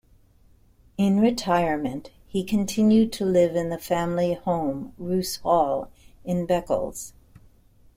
In retirement he continued to live in the family home, Roos Hall in Beccles.